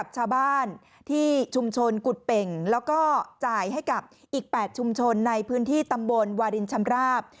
จ่ายให้กับอีก๘ชุมชนในพื้นที่ตำบลวารินชำราบ